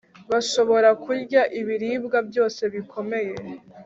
bashobora kurya ibiribwa byose bikomeye